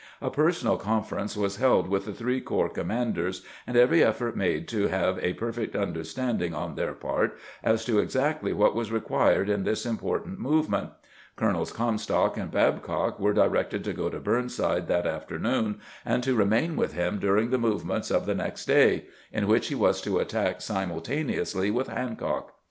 A personal confer ence was held with the three corps commanders, and every effort made to have a perfect understanding on their part as to exactly what was required in this im portant movement. Colonels Comstock and Babeock were directed to go to Burnside that afternoon, and to remain with him during the movements of the next day, in which he was to attack simultaneously with Han cock.